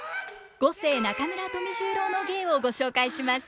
五世中村富十郎の芸をご紹介します。